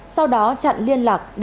sau đó chặn liên lạc